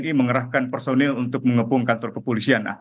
tni mengerahkan personil untuk mengepung kantor kepolisian